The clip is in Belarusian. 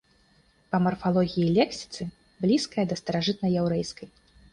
Па марфалогіі і лексіцы блізкая да старажытнаяўрэйскай.